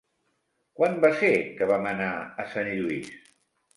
Quan va ser que vam anar a Sant Lluís?